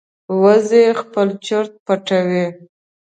وزې خپل چرته پټوي